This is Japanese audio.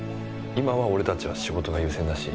今は俺たちは仕事が優先だし。